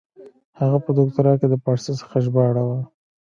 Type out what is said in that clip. هغه په دوکتورا کښي د پاړسي څخه ژباړه وه.